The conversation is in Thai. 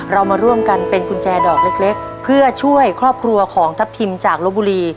เรามาร่วมกันเป็นกุญแจดอกเล็กเพื่อช่วยครอบครัวของทัพทิมจากลบบุรี